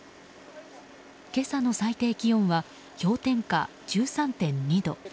今朝の最低気温は氷点下１３．２度。